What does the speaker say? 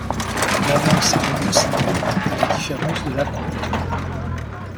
L'avance est remboursable à la différence de l'acompte.